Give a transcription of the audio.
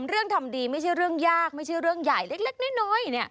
เรื่องทำดีไม่ใช่เรื่องยากไม่ใช่เรื่องใหญ่เล็กน้อย